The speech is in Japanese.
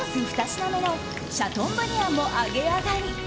２品目のシャ豚ブリアンも揚げ上がり。